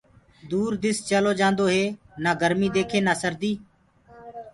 دور دِس چيلو جآندوئي نآ گرميٚ ديکي نآ سرديٚ